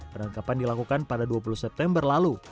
penangkapan dilakukan pada dua puluh september lalu